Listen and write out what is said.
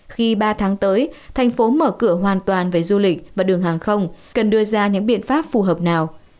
khi ba tháng tới thành phố mở cửa hoàn toàn về du lịch và đường hàng không cần đưa ra những biện pháp phù hợp nào